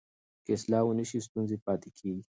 که اصلاح ونه سي ستونزې پاتې کېږي.